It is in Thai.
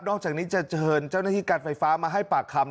จากนี้จะเชิญเจ้าหน้าที่การไฟฟ้ามาให้ปากคำ